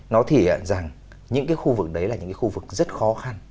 nó thể hiện rằng những cái khu vực đấy là những cái khu vực rất khó khăn